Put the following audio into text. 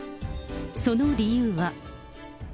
その理由は。